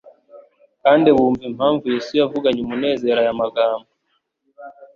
kandi bumva impamvu Yesu yavuganye umunezero aya magambo